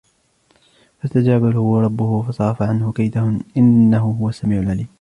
فَاسْتَجَابَ لَهُ رَبُّهُ فَصَرَفَ عَنْهُ كَيْدَهُنَّ إِنَّهُ هُوَ السَّمِيعُ الْعَلِيمُ